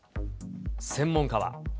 専門家は。